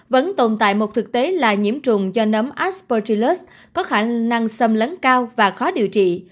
vẫn tồn tại một thực tế là nhiễm trùng do nấm asportilus có khả năng xâm lấn cao và khó điều trị